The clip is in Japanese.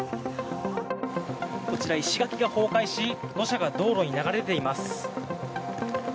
こちら、石垣が崩壊し土砂が道路に流れています。